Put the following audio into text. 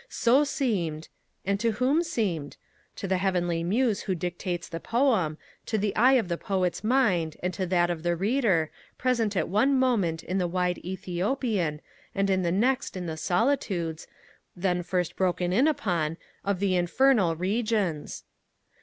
'So seemed,' and to whom seemed? To the heavenly Muse who dictates the poem, to the eye of the Poet's mind, and to that of the Reader, present at one moment in the wide Ethiopian, and the next in the solitudes, then first broken in upon, of the infernal regions!